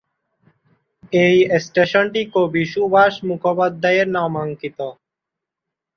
এই স্টেশনটি কবি সুভাষ মুখোপাধ্যায়ের নামাঙ্কিত।